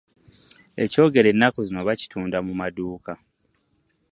Ekyogero ennaku zino bakitunda mu maduuka.